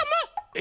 え？